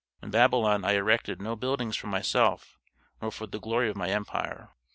In Babylon I erected no buildings for myself nor for the glory of my empire.